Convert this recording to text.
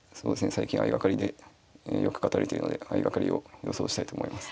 最近相掛かりでよく勝たれてるので相掛かりを予想したいと思います。